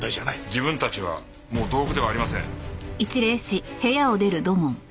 自分たちはもう道具ではありません。